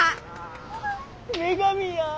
女神や。